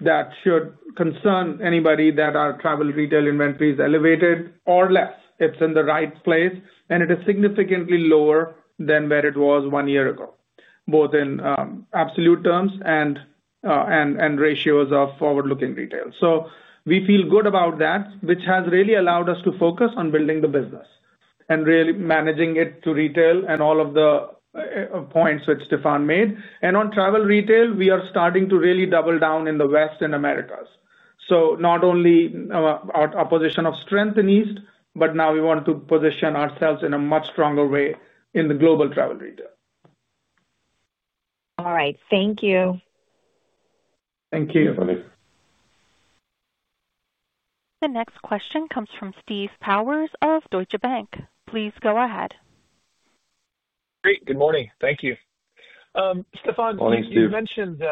that should concern anybody that our travel retail inventory is elevated or less. It's in the right place and it is significantly lower than where it was one year ago, both in absolute terms and ratios of forward looking retail. We feel good about that, which has really allowed us to focus on building the business and really managing it to retail and all of the points which Stéphane made. On travel retail, we are starting to really double down in the West and Americas. Not only a position of strength in East, but now we want to position ourselves in a much stronger way in the global travel retail. All right, thank you. Thank you. The next question comes from Stephen Robert R. Powers of Deutsche Bank AG. Please go ahead. Great. Good morning. Thank you. Moring Steve. Stéphane mentioned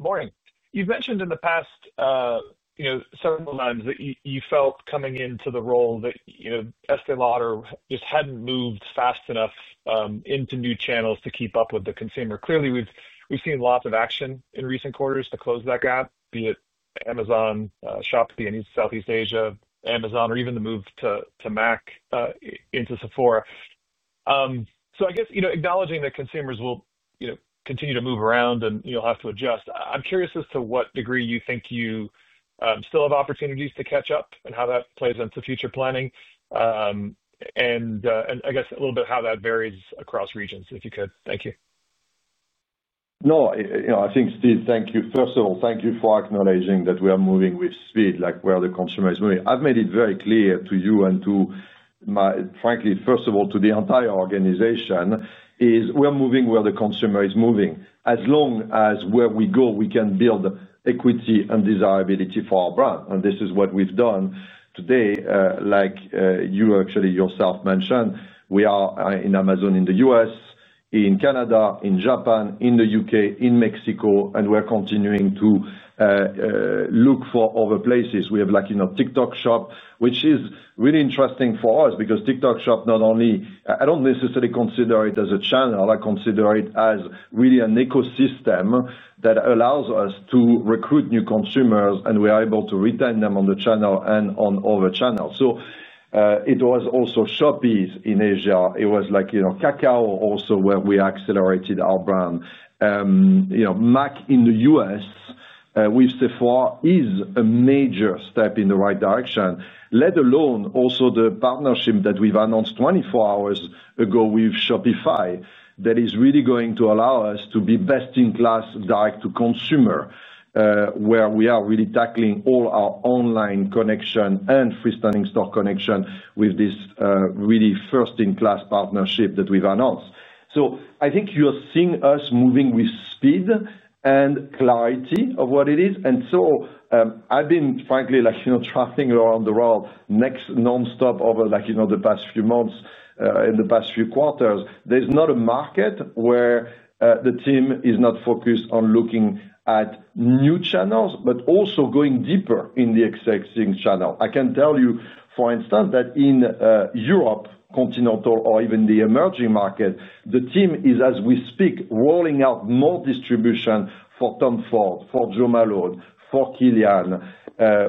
morning. You've mentioned in the past several times that you felt coming into the role that Estée Lauder just hadn't moved fast. Enough into new channels to keep up with the consumer. Clearly we've seen lots of action in. Recent quarters to close that gap, be it Amazon, Shopee in Southeast Asia, Amazon or even the move to M.A.C into Sephora. I guess acknowledging that consumers will continue to move around and you'll have to adjust. I'm curious as to what degree you think you still have opportunities to catch up and how that plays into future planning and I guess a little bit how that varies across regions. If you could. Thank you. No, I think Steve, thank you. First of all, thank you for acknowledging that we are moving with speed like where the consumer is moving. I've made it very clear to you and to, frankly, first of all to the entire organization, we're moving where the consumer is moving. As long as where we go, we can build equity and desirability for our brand. This is what we've done today. Like you actually yourself mentioned, we are in Amazon in the U.S., in Canada, in Japan, in the U.K., in Mexico, and we're continuing to look for other places. We have, like, you know, TikTok Shop, which is really interesting for us because TikTok Shop, not only I don't necessarily consider it as a channel, I consider it as really an ecosystem that allows us to recruit new consumers, and we are able to retain them on the channel and on other channels. It was also Shopee in Asia. It was, like, you know, Kakao also where we accelerated our brand. M.A.C in the U.S. we say is a major step in the right direction, let alone also the partnership that we've announced 24 hours ago with Shopify that is really going to allow us to be best in class direct-to-consumer where we are really tackling all our online connection and freestanding store connection with this really first in class partnership that we've announced. I think you're seeing us moving with speed and clarity of what it is. I've been, frankly, traveling around the world nonstop over the past few months. In the past few quarters, there's not a market where the team is not focused on looking at new channels but also going deeper in the existing channel. I can tell you, for instance, that in Europe, continental or even the emerging market, the team is, as we speak, rolling out more distribution for Tom Ford, for Jo Malone London, for Kilian.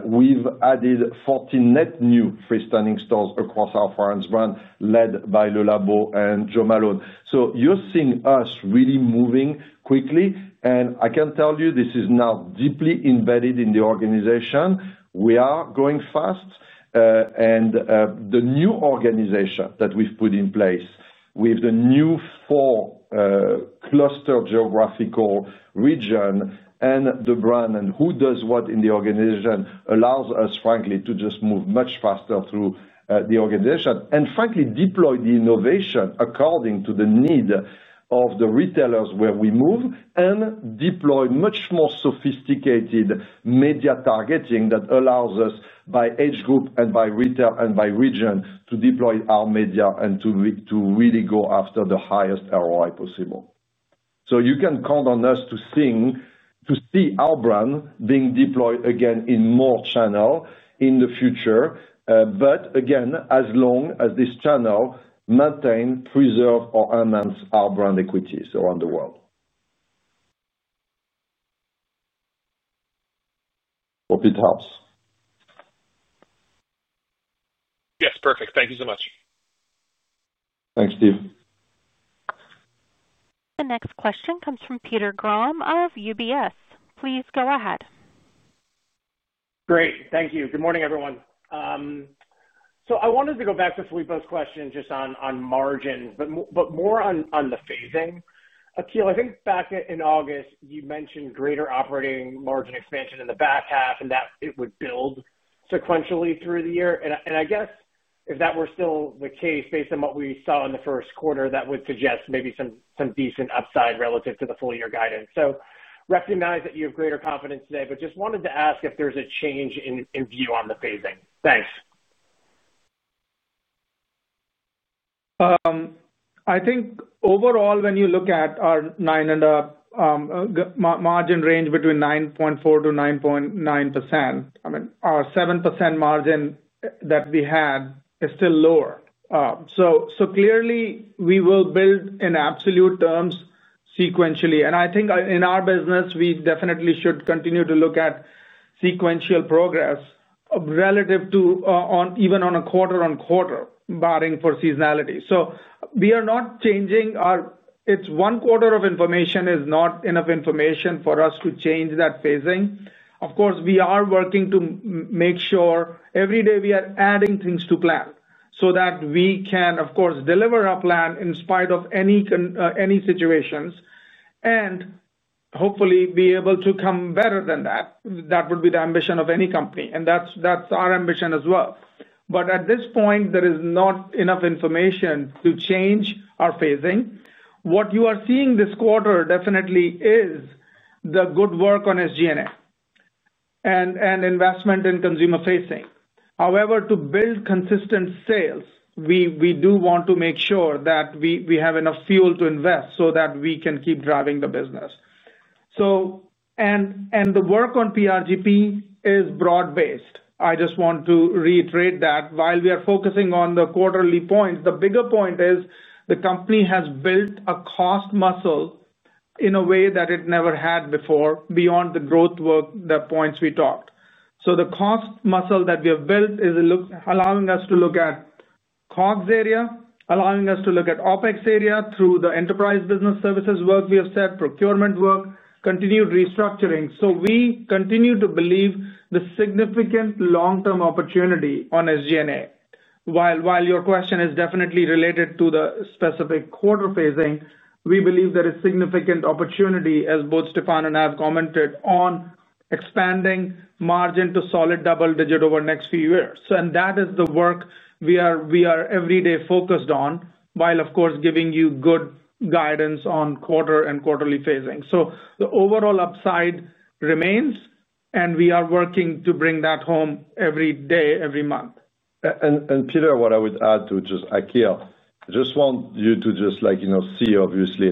We've added 40 net new freestanding stores across our Florence brand led by Le Labo and Jo Malone London. You're seeing us really moving quickly, and I can tell you this is now deeply embedded in the organization. We are going fast. The new organization that we've put in place with the new four cluster geographical region and the brand and who does what in the organization allows us, frankly, to just move much faster through the organization and deploy the innovation according to the need of the retailers where we move and deploy much more sophisticated media targeting that allows us by age group and by retail and by region to deploy our media and to really go after the highest ROI possible. You can count on us to see our brand being deployed again in more channels in the future. Again, as long as this channel maintains, preserves, or enhances our brand equities around the world. Hope it helps. Yes, perfect. Thank you so much. Thanks Steve. The next question comes from Peter K. Grom of UBS Investment Bank. Please go ahead. Great. Thank you. Good morning everyone. I wanted to go back to Filippo's question just on margins but more on the phasing. Akhil, I think back in August you mentioned greater operating margin expansion in the back half and that it would build sequentially through the year. I guess if that were still the case based on what we saw in the first quarter that would suggest maybe some decent upside relative to the full year guidance. I recognize that you have greater confidence today but just wanted to ask if there's a change in view on the phasing. Thanks. I think overall when you look at our 9% and up margin range between 9.4%-9.9%, our 7% margin that we had is still lower. Clearly we will build in absolute terms sequentially and I think in our business we definitely should continue to look at sequential progress relative to even on a quarter on quarter barring for seasonality. We are not changing our it's one quarter of information, it's not enough information for us to change that phasing. Of course we are working to make sure every day we are adding things to plan so that we can of course deliver our plan in spite of any situations and hopefully be able to come better than that. That would be the ambition of any company and that's our ambition as well. At this point there is not enough information to change our phasing. What you are seeing this quarter definitely is the good work on SG&A and investment in consumer facing. However, to build consistent sales we do want to make sure that we have enough fuel to invest so that we can keep driving the business. The work on PRGP is broad based. I just want to reiterate that while we are focusing on the quarterly points, the bigger point is the company has built a cost muscle in a way that it never had before beyond the growth work, the points we talked. The cost muscle that we have built is allowing us to look at COGS area, allowing us to look at OpEx area through the enterprise business services work. We have said procurement work, continued restructuring. We continue to believe the significant long term opportunity on SG&A. While your question is definitely related to the specific quarter phasing, we believe there is significant opportunity as both Stéphane and I have commented on expanding margin to solid double digit over next few years. That is the work we are every day focused on while of course giving you good guidance on quarter and quarterly phasing. The overall upside remains and we are working to bring that home every day, every month. Peter, what I would add to Akhil, just want you to see obviously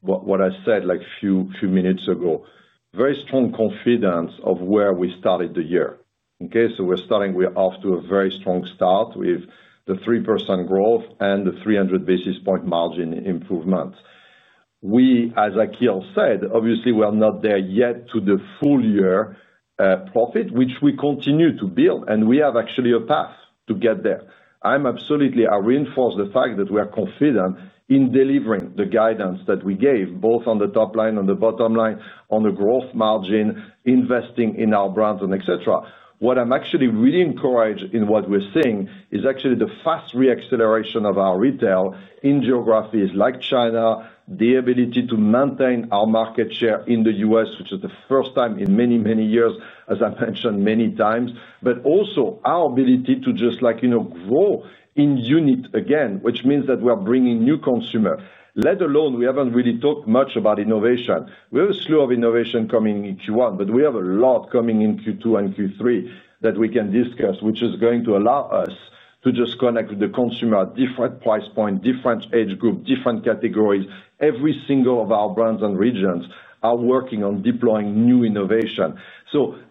what I said a few minutes ago, very strong confidence of where we started the year. We're starting off to a very strong start with the 3% growth and the 300 basis point margin improvement. As Akhil said, obviously we are not there yet to the full year profit which we continue to build and we have actually a path to get there. I reinforce the fact that we are confident in delivering the guidance that we gave both on the top line, on the bottom line, on the gross margin, investing in our brands, et cetera. What I'm actually really encouraged in what we're seeing is the fast reacceleration of our retail in geographies like China, the ability to maintain our market share in the U.S. which is the first time in many, many years as I mentioned many times, but also our ability to grow in unit again, which means that we are bringing new consumer, let alone, we haven't really talked much about innovation. We have a slew of innovation coming in Q1, but we have a lot coming in Q2 and Q3 that we can discuss which is going to allow us to connect with the consumer. Different price point, different age group, different categories. Every single one of our brands and regions are working on deploying new innovation.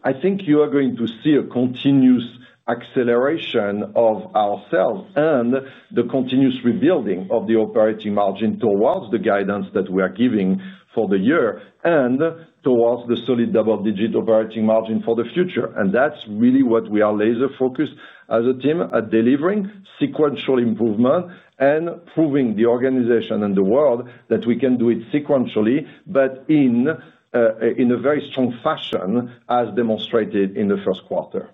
I think you are going to see a continuous acceleration of ourselves and the continuous rebuilding of the operating margin towards the guidance that we are giving for the year and towards the solid double digit operating margin for the future. That's really what we are laser focused as a team at delivering sequential improvement and proving the organization and the world that we can do it sequentially but in a very strong fashion as demonstrated in the first quarter.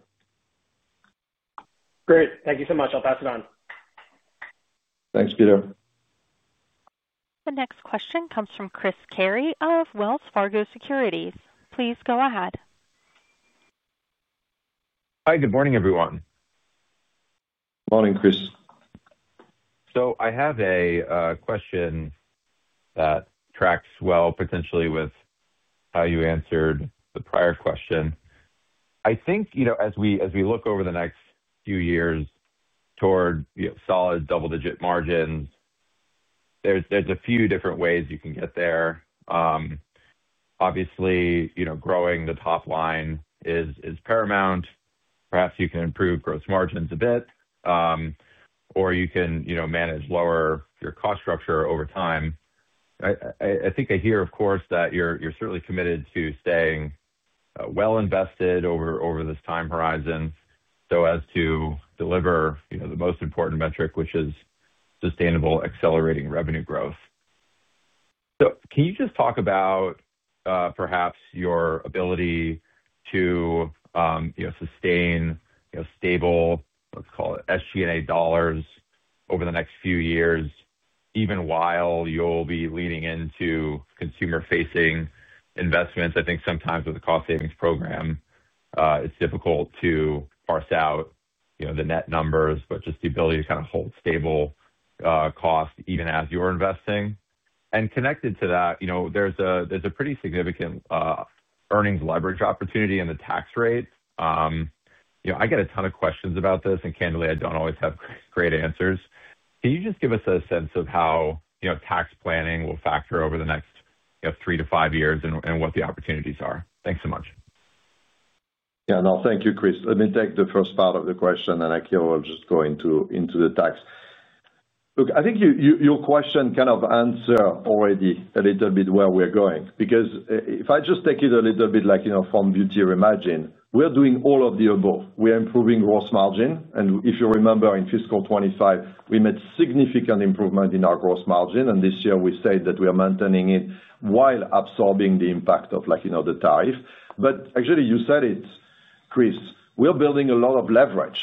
Great, thank you so much. I'll pass it on. Thanks, Peter. The next question comes from Christopher Michael Carey of Wells Fargo Securities. Please go ahead. Hi, good morning everyone. Morning Chris. I have a question that tracks well potentially with how you answered the prior question. I think as we look over the next few years toward solid double-digit margins, there are a few different ways you can get there. Obviously, growing the top line is paramount, perhaps you can improve gross margins a bit or you can manage or lower your cost structure over time. I think I hear, of course, that you're certainly committed to staying well invested over this time horizon so as to deliver the most important metric, which is sustainable accelerating revenue growth. Can you just talk about perhaps your ability to sustain stable SG&A dollars over the next few years even while you'll be leaning into consumer-facing investments? I think sometimes with the cost savings program it's difficult to parse out the net numbers, but just the ability to kind of hold stable cost even as you're investing and connected to that. There's a pretty significant earnings leverage opportunity in the tax rate. I get a ton of questions about this and candidly I don't always have great answers. Can you just give us a sense of how tax planning will factor over the next three to five years and what the opportunities are? Thanks so much. Thank you, Chris. Let me take the first part of the question and Akhil will just go into the tax. Look, I think your question kind of answered already a little bit where we're going because if I just take it a little bit, like, you know, from beauty, imagine we are doing all of the above. We are improving gross margin, and if you remember in fiscal 2025, we made significant improvement in our gross margin, and this year we say that we are maintaining it while absorbing the impact of, like, you know, the tariff. Actually, you said it, Chris. We are building a lot of leverage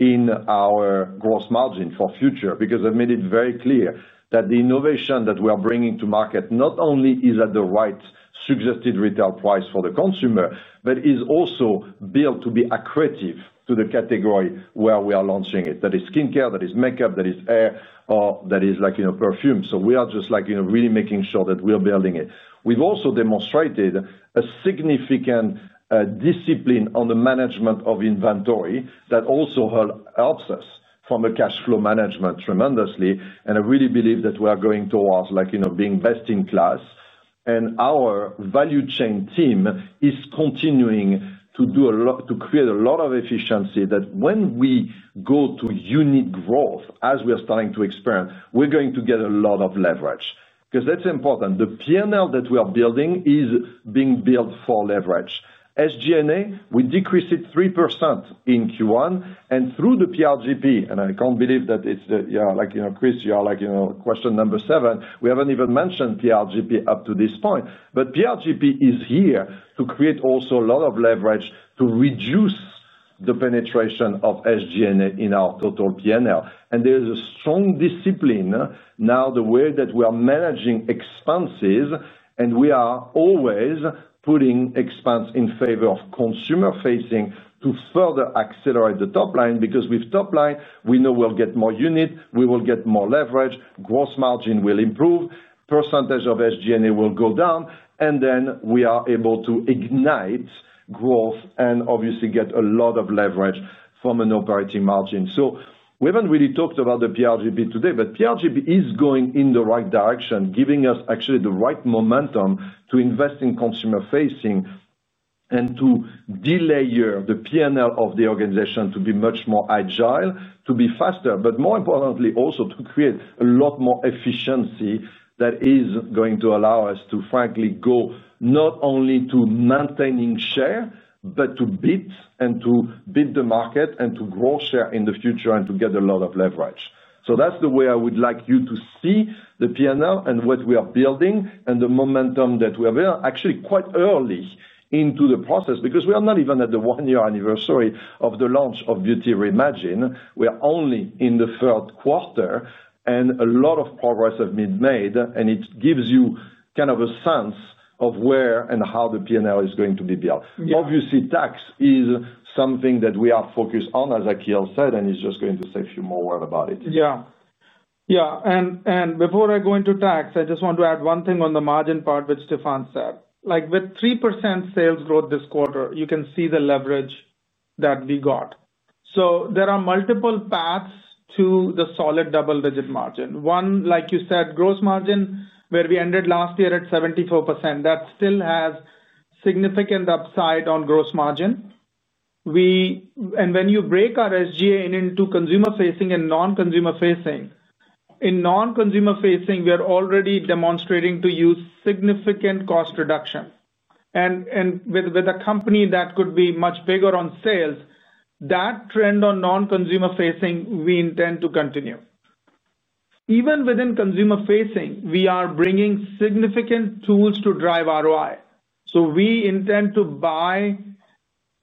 in our gross margin for future because I've made it very clear that the innovation that we are bringing to market not only is at the right suggested retail price for the consumer, but is also built to be accretive to the category where we are launching it. That is skin care, that is makeup, that is hair, that is, like, you know, perfume. We are just, like, you know, really making sure that we are building it. We've also demonstrated a significant discipline on the management of inventory that also helps us from a cash flow management tremendously. I really believe that we are going towards, like, you know, being best in class. Our value chain team is continuing to do a lot to create a lot of efficiency that when we go to unique growth as we are starting to experience, we're going to get a lot of leverage because that's important. The P&L that we are building is being built for leverage. SG&A, we decreased it 3% in Q1 and through the PRGP. I can't believe that it's that, you know, like, you know, Chris, you are, like, you know, question number seven. We haven't even mentioned PRGP up to this point. PRGP is here to create also a lot of leverage to reduce the penetration of SG&A in our total P&L. There is a strong discipline now in the way that we are managing expenses, and we are always putting expense in favor of consumer facing to further accelerate the top line. Because with top line we know we'll get more unit, we will get more leverage, gross margin will improve, percentage of SG&A will go down, and then we are able to ignite growth and obviously get a lot of leverage from an operating margin. We haven't really talked about the PRGP today, but PRGP is going in the right direction, giving us actually the right momentum to increase, invest in consumer facing, and to delay the P&L of the organization to be much more agile, to be faster, but more importantly also to create a lot more efficiency that is going to allow us to frankly go not only to maintaining share, but to bid and to beat the market and to grow share in the future and to get a lot of leverage. That's the way I would like you to see the P&L and what we are building and the momentum that we are actually quite early into the process because we are not even at the one year anniversary of the launch of Beauty Reimagined. We are only in the third quarter and a lot of progress has been made and it gives you kind of a sense of where and how the P&L is going to be built. Obviously, tax is something that we are focused on, as Akhil said, and he's just going to say a few more words about it. Yeah, yeah. Before I go into tax, I just want to add one thing on the margin part which Stéphane said. With 3% sales growth this quarter, you can see the leverage that we got. There are multiple paths to the solid double-digit margin. Like you said, gross margin, where we ended last year at 74%, that still has significant upside on gross margin. When you break our SG&A into consumer facing and non-consumer facing, in non-consumer facing we are already demonstrating to use significant cost reduction, and with a company that could be much bigger on sales, that trend on non-consumer facing we intend to continue. Even within consumer facing, we are bringing significant tools to drive ROI. We intend to buy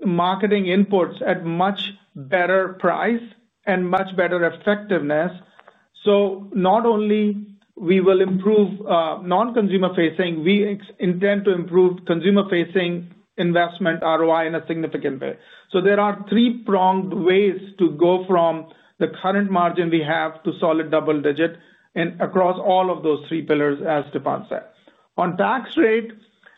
marketing inputs at much better price and much better effectiveness. Not only will we improve non-consumer facing, we intend to improve consumer facing investment ROI in a significant way. There are three-pronged ways to go from the current margin to solid double-digit across all of those three pillars. As Stéphane said, on tax rate,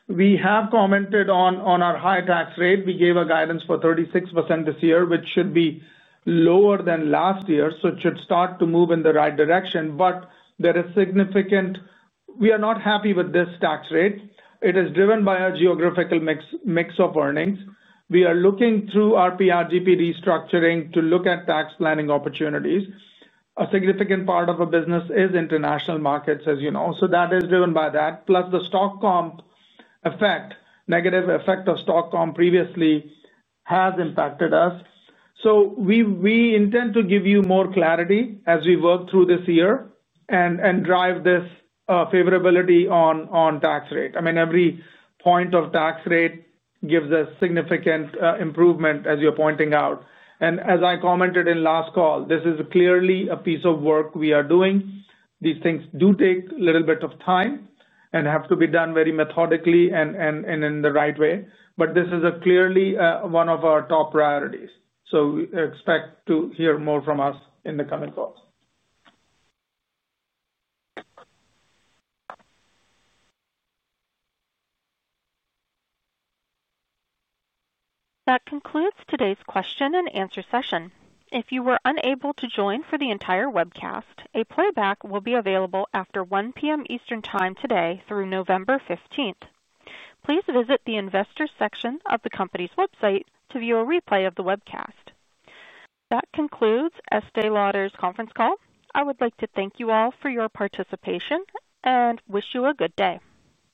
we have commented on our high tax rate. We gave a guidance for 36% this year, which should be lower than last year, so it should start to move in the right direction. There is significant, we are not happy with this tax rate. It is driven by a geographical mix of earnings. We are looking through our PRGP restructuring to look at tax planning opportunities. A significant part of our business is international markets, as you know, so that is driven by that plus the stock comp effect. Negative effect of stock comp previously has impacted us. We intend to give you more clarity as we work through this year and drive this favorability on tax rate. I mean, every point of tax rate gives a significant improvement. As you're pointing out and as I commented in last call, this is clearly a piece of work we are doing. These things do take a little bit of time and have to be done very methodically and in the right way, but this is clearly one of our top priorities. Expect to hear more from us in the coming calls. That concludes today's question-and-answer session. If you were unable to join for the entire webcast, a playback will be available after 1:00 P.M. Eastern Time today through November 15. Please visit the Investors section of the company's website to view a replay of the webcast. That concludes The Estée Lauder Companies' conference call. I would like to thank you all for your participation and wish you a good day.